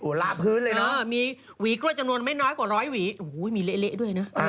ลาพื้นเลยเนอะมีหวีกล้วยจำนวนไม่น้อยกว่าร้อยหวีโอ้โหมีเละด้วยนะ